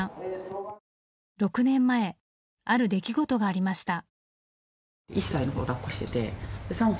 ６年前ある出来事がありました。